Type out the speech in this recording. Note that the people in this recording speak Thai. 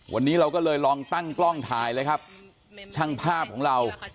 วันนี้เราก็เลยลองตั้งกล้องถ่ายเลยครับช่างภาพของเรา